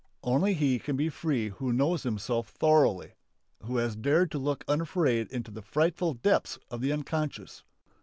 Only he can be free who knows himself thoroughly, who has dared to look unafraid into the frightful depths of the unconscious.